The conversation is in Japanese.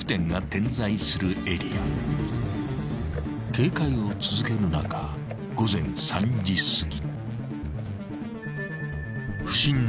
［警戒を続ける中午前３時すぎ］